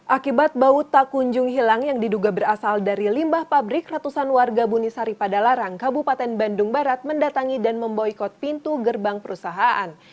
akibat bau tak kunjung hilang yang diduga berasal dari limbah pabrik ratusan warga bunisari pada larang kabupaten bandung barat mendatangi dan memboykot pintu gerbang perusahaan